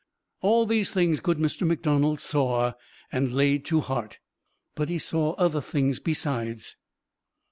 All these things good Mr. McDonald saw, and laid to heart; but he saw other things besides.